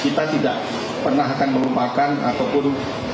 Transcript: kita tidak pernah akan melupakan ataupun